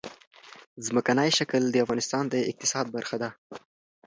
ځمکنی شکل د افغانستان د اقتصاد برخه ده.